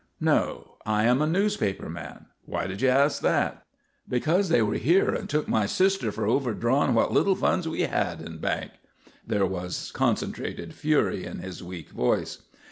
"No. I am a newspaper man. Why did you ask that?" "Because they were here and took my sister for overdrawing what little funds we had in bank." There was concentrated fury in his weak voice.